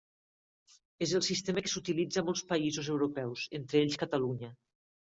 És el sistema que s'utilitza a molts països europeus, entre ells Catalunya.